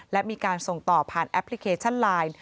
และมีการส่งต่อผ่านแอปพลิเคชันไลน์